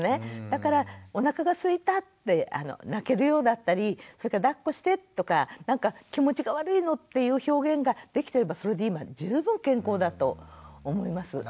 だからおなかがすいたって泣けるようだったりそれからだっこしてとかなんか気持ちが悪いのっていう表現ができてればそれで今十分健康だと思います。